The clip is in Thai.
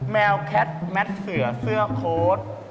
แมวแคทแมทเสือเสื้อโค้ด